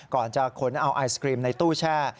ก่อนจะขนเอาไอศครีมในตู้แช่